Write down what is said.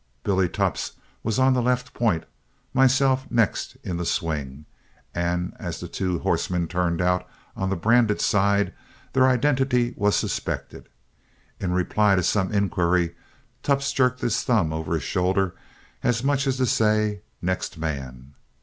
Billy Tupps was on the left point, myself next in the swing; and as the two horsemen turned out on the branded side, their identity was suspected. In reply to some inquiry, Tupps jerked his thumb over his shoulder as much as to say, "Next man."